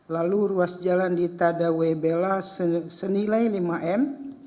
lalu ruas jalan di tadawe bela senilai lima m